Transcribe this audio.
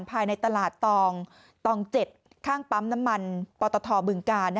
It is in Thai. ภายในตลาดตอง๗ข้างปั๊มน้ำมันปตทบึงกาล